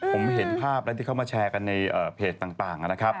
ผมเห็นภาพแล้วที่เขามาแชร์กันในเพจต่างนะครับ